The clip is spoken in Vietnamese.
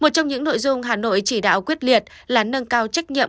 một trong những nội dung hà nội chỉ đạo quyết liệt là nâng cao trách nhiệm